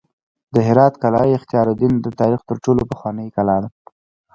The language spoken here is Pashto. د هرات قلعه اختیارالدین د تاریخ تر ټولو پخوانۍ کلا ده